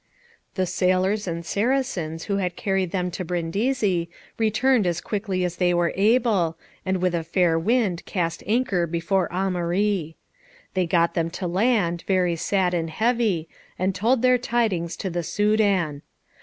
The sailors and Saracens who had carried them to Brindisi, returned as quickly as they were able, and with a fair wind cast anchor before Aumarie. They got them to land, very sad and heavy, and told their tidings to the Soudan.